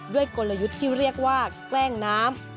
กลยุทธ์ที่เรียกว่าแกล้งน้ำ